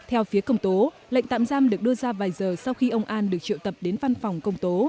theo phía công tố lệnh tạm giam được đưa ra vài giờ sau khi ông an được triệu tập đến văn phòng công tố